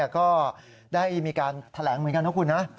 ก็ได้มีการแถลงเหมือนกันนะคุณนะ